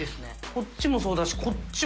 こっちもそうだしこっちも。